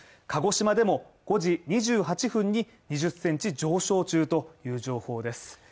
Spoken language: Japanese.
鹿児島でも５時２８分に２０センチ上昇中という情報です